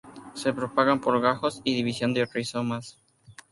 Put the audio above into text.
Se propagan por gajos y división de rizomas.